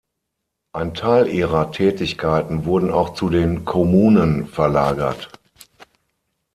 Ein Teil ihrer Tätigkeiten wurden auch zu den Kommunen verlagert.